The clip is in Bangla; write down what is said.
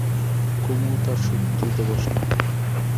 কুমুও তার শোধ তুলতে বসল।